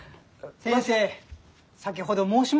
先生先ほど申しましたでしょう？